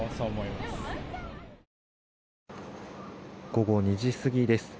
午後２時過ぎです。